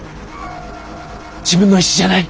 自分の意志じゃない！